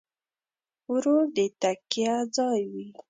ورور د تکیه ځای وي.